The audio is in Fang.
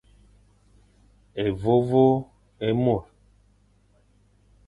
Évôvô é môr.